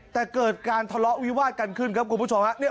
แต่เกิดการทะเลาะวิวาดกันขึ้นครับคุณผู้ชมฮะ